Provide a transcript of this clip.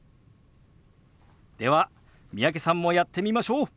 では三宅さんもやってみましょう。